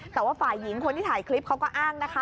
แต่ว่าฝ่ายหญิงคนที่ถ่ายคลิปเขาก็อ้างนะคะ